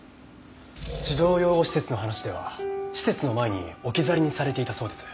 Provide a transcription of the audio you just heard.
児童養護施設の話では施設の前に置き去りにされていたそうです。